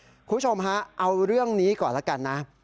คุณผู้ชมฮะเอาเรื่องนี้ก่อนแล้วกันนะ